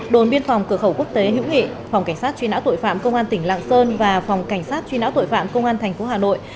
đồn biên phòng cửa khẩu quốc tế hữu nghị phòng cảnh sát truy nã tội phạm công an tỉnh lạng sơn và phòng cảnh sát truy nã tội phạm công an tp hà nội